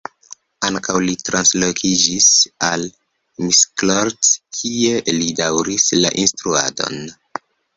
Ankaŭ li translokiĝis al Miskolc, kie li daŭris la instruadon.